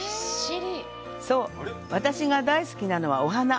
そう、私が大好きなのはお花。